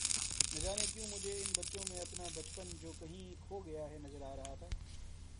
نجانے کیوں مجھے ان بچوں میں اپنا بچپن جو کہیں کھو گیا ہے نظر آ رہا تھا